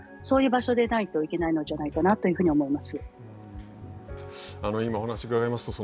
そういう場所でないといけないのじゃないかなと思います。